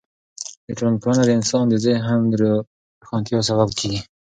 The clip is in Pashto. ټولنپوهنه د انسان د ذهن د روښانتیا سبب کیږي.